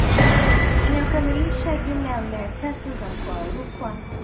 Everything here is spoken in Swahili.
Inayokamilisha jumla ya wilaya tatu za mkoa wa Rukwa